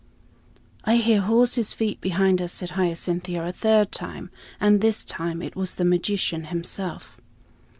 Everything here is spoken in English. "I hear horses' feet behind us," said Hyacinthia a third time; and this time it was the magician himself.